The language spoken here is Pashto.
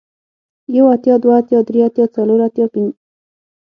يو اتيا دوه اتيا درې اتيا څلور اتيا